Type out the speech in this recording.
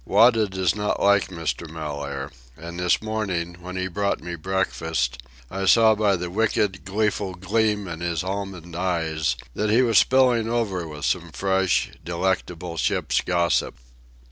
Wada does not like Mr. Mellaire, and this morning, when he brought me breakfast, I saw by the wicked, gleeful gleam in his almond eyes that he was spilling over with some fresh, delectable ship's gossip.